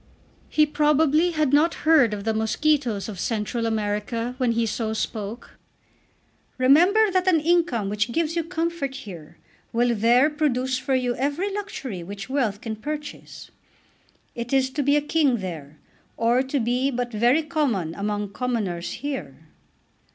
He probably had not heard of the mosquitoes of Central America when he so spoke. "Remember that an income which gives you comfort here will there produce for you every luxury which wealth can purchase. It is to be a king there, or to be but very common among commoners here."